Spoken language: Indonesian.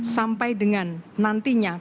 sampai dengan nantinya